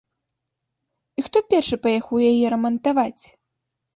І хто першы паехаў яе рамантаваць?